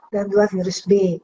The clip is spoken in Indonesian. dan dua virus b